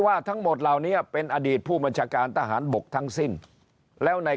ว่าทั้งหมดเหล่านี้เป็นอดีตผู้บัญชาการทหารบกทั้งสิ้นแล้วใน